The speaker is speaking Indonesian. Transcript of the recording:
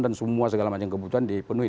dan semua segala macam kebutuhan dipenuhi